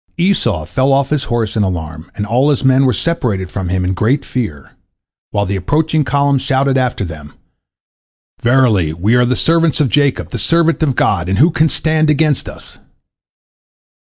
Esau fell off his horse in alarm, and all his men separated from him in great fear, while the approaching column shouted after them, "Verily, we are the servants of Jacob, the servant of God, and who can stand against us?"